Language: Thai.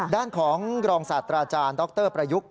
ด้านของรองศาสตราจารย์ดรประยุกต์